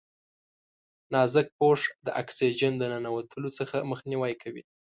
نازک پوښ د اکسیجن د ننوتلو څخه مخنیوی کوي.